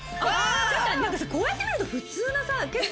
なんかさこうやって見ると普通のさ結構。